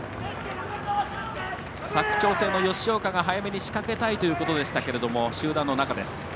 佐久長聖の吉岡が早めに仕掛けたいということでしたが集団の中です。